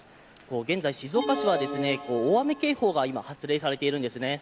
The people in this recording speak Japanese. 現在、静岡市は大雨警報が発令されています。